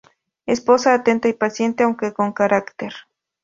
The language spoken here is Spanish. Esposa atenta y paciente, aunque con carácter.